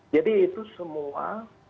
jadi itu semua